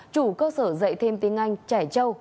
chủ cơ sở dạy thêm tiếng anh trẻ châu